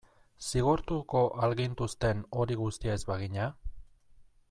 Zigortuko al gintuzten hori guztia ez bagina?